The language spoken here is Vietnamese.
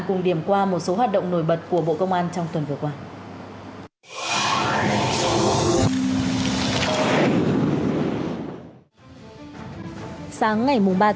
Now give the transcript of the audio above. cùng điểm qua một số hoạt động nổi bật của bộ công an trong tuần vừa qua